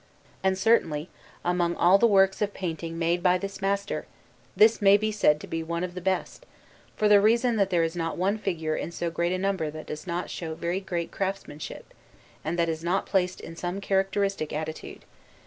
And certainly, among all the works of painting made by this master, this may be said to be one of the best, for the reason that there is not one figure in so great a number that does not show very great craftsmanship, and that is not placed in some characteristic attitude.